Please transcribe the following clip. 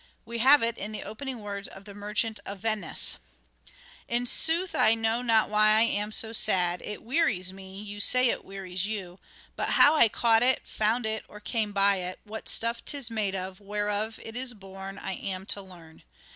We have it in the opening words of the " Mer chant of Venice ": 1 ' In sooth I know not why I am so sad, It wearies me, you say it wearies you, But how I caught it, found it, or came by it, What stuff 'tis made of, whereof it is born I am to learn.